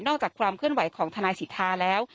อกจากความเคลื่อนไหวของทนายสิทธาแล้ว